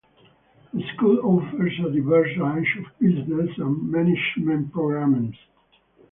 The School offers a diverse range of Business and Management programmes.